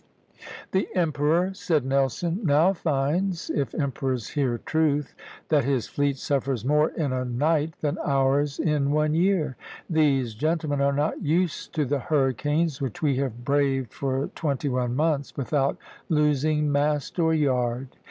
" "The emperor," said Nelson, "now finds, if emperors hear truth, that his fleet suffers more in a night than ours in one year.... These gentlemen are not used to the hurricanes, which we have braved for twenty one months without losing mast or yard."